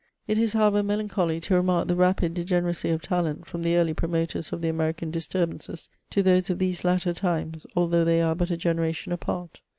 It is, however, melancholy to remark the rapid degeneracy of talent from the early promoters of the American disturbances to those of these latter times, although they are but a generation apart.